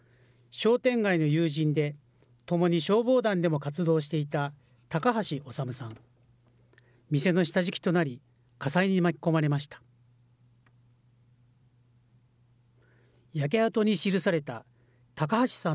商店街の友人で、ともに消防団でも活動していた高橋修さん。